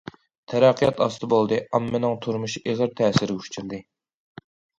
تەرەققىيات ئاستا بولدى، ئاممىنىڭ تۇرمۇشى ئېغىر تەسىرگە ئۇچرىدى.